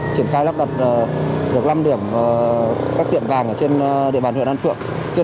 triển khai lắp đặt được năm điểm các tiệm vàng ở trên địa bàn huyện an phượng